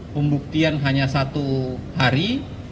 pembuktian hanya satu hari